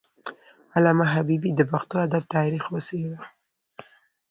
علامه حبيبي د پښتو ادب تاریخ وڅیړه.